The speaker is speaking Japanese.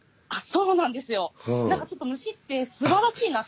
そうなんですよ。